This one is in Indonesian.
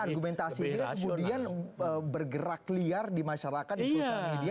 argumentasi ini kemudian bergerak liar di masyarakat di sosial media